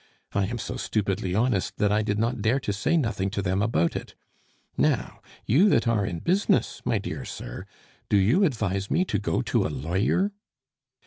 I am so stupidly honest that I did not dare to say nothing to them about it. Now, you that are in business, my dear sir, do you advise me to got to a lawyer?"